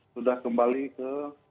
sudah kembali ke